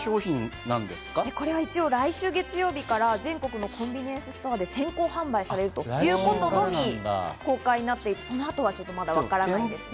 来週月曜日から全国のコンビニエンスストアで先行販売されるということのみ公開になっていて、その後はまだわからないと。